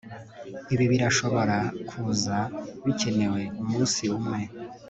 ibi birashobora kuza bikenewe umunsi umwe